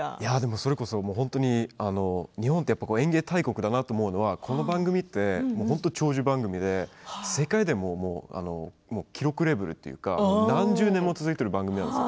それこそ日本は園芸大国だなと思うのはこの番組って長寿番組で世界でも記録レベルというか何十年も続いている番組なんです。